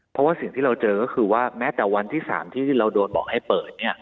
เพราะว่าสิ่งที่เราเจอก็คือว่าแม้แต่วันที่๓ที่เราโดนบอกให้เปิด